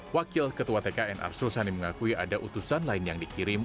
wakil ketua tkn arsul sani mengakui ada utusan lain yang dikirim